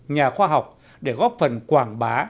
nhà khoa học để góp phần quảng bá